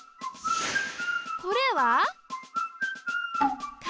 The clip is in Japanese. これは陰。